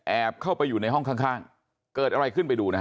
เข้าไปอยู่ในห้องข้างเกิดอะไรขึ้นไปดูนะฮะ